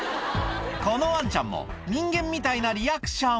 このワンちゃんも、人間みたいなリアクション。